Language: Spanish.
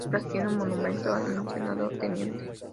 La plaza tiene un monumento al mencionado teniente.